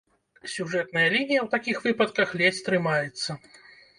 Сюжэтная лінія ў такіх выпадках ледзь трымаецца.